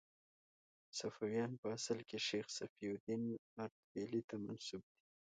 صفویان په اصل کې شیخ صفي الدین اردبیلي ته منسوب دي.